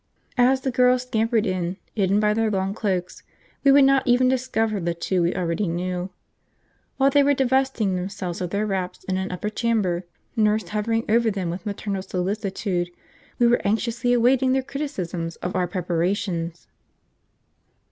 As the girls scampered in, hidden by their long cloaks, we could not even discover the two we already knew. While they were divesting themselves of their wraps in an upper chamber, Nurse hovering over them with maternal solicitude, we were anxiously awaiting their criticisms of our preparations.